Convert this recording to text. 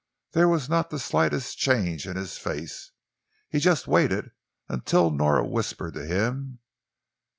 There was not the slightest change in his face. He just waited until Nora whispered to him.